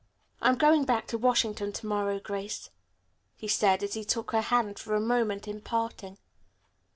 "I'm going back to Washington to morrow night, Grace," he said, as he took her hand for a moment in parting.